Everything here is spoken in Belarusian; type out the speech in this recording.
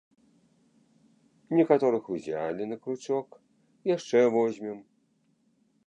Некаторых узялі на кручок, яшчэ возьмем!